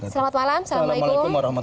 selamat malam assalamualaikum